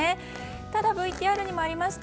ただ、ＶＴＲにもありました